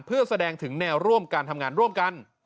เพื่อแสดงถึงแนวร่วมการทำงานร่วมกัน